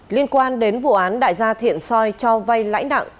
liên quan đến vụ án đại gia thiện soi cho vay lãnh đặng